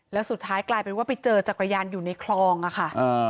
แล้วสุดท้ายกลายเป็นว่าไปเจอจักรยานอยู่ในคลองอะค่ะ